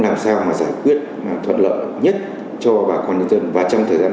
làm sao để mà thuận lợi nhất cho bà con dân